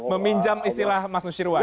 meminjam istilah mas nusirwan